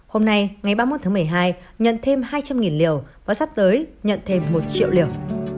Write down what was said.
hôm nay ngày ba mươi một tháng một mươi hai nhận thêm hai trăm linh liều và sắp tới nhận thêm một triệu liều